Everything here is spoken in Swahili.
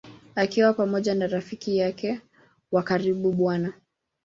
Akiwa pamoja na rafiki yake wa karibu Bw.